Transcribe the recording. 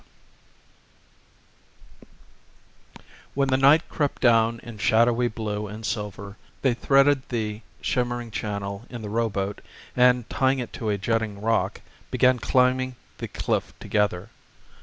V When the night crept down in shadowy blue and silver they threaded the shimmering channel in the rowboat and, tying it to a jutting rock, began climbing the cliff together.